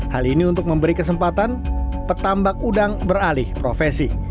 hal ini untuk memberi kesempatan petambak udang beralih profesi